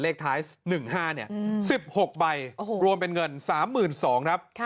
เลขท้าย๑๕๑๖ใบรวมเป็นเงิน๓๒๐๐ครับ